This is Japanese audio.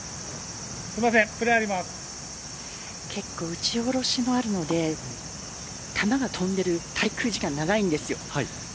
打ち下ろしもあるので球が飛んでいる滞空時間が長いです。